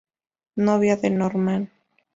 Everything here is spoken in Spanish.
Novia de Norman.